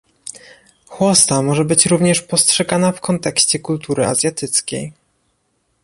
Chłosta może być również postrzegana w kontekście kultury azjatyckiej